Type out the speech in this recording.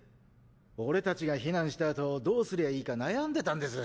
俺たちが避難したあとどうすりゃいいか悩んでたんです。